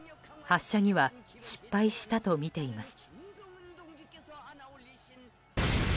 発射には失敗したとみています。